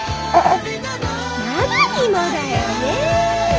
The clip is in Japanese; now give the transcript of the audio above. ママにもだよね？